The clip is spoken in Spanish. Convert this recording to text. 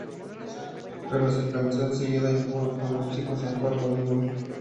Pero se cansó enseguida y se fue con los chicos a jugar a voleibol.